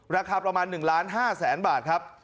ราคาประมาณ๑ล้าน๕แสนบาทครับ